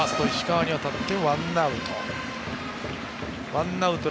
ワンアウト。